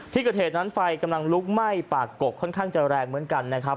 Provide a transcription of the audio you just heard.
ที่เกิดเหตุนั้นไฟกำลังลุกไหม้ปากกกค่อนข้างจะแรงเหมือนกันนะครับ